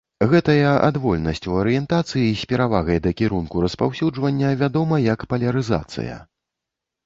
Гэтая адвольнасць ў арыентацыі з перавагай да кірунку распаўсюджвання вядома як палярызацыя.